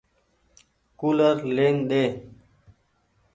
ڪولر لين ۮي۔